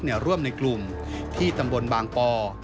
ร่วมในกลุ่มที่ตำบลบางปอ